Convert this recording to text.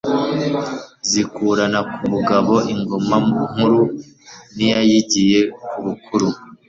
Zikurana ku bugabo Ingoma nkuru n'iyayigiye ku bukuru